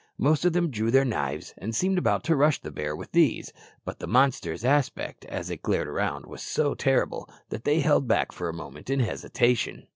Most of them drew their knives and seemed about to rush on the bear with these; but the monster's aspect, as it glared around, was so terrible that they held back for a moment in hesitation.